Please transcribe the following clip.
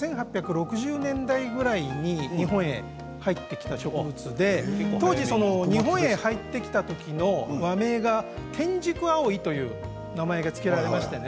１８６０年代ぐらいに日本に入ってきた植物で当時、日本に入っていたときの和名が天竺葵という名前が付けられていました。